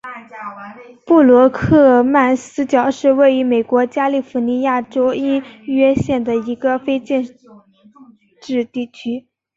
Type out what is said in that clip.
布罗克曼斯角是位于美国加利福尼亚州因约县的一个非建制地区。